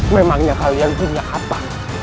memangnya kalian punya apa